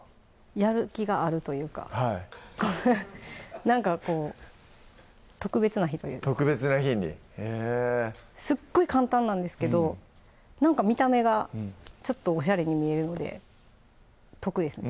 やる気があるというかなんかこう特別な日というか特別な日にすっごい簡単なんですけどなんか見た目がちょっとおしゃれに見えるので得ですね